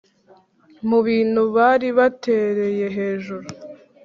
Mu bintu bari batereye hejuru